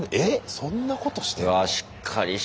そんなことしてんの？